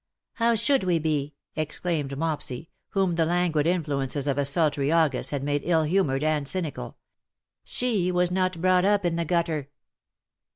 '^ How should we be ?" exclaimed Mopsy. whom the languid influences of a sultry August had made ill humoured and cynical. " She was not brought up in the gutter."